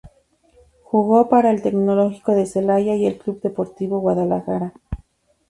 Jugó para el "Tecnológico de Celaya" y el Club Deportivo Guadalajara.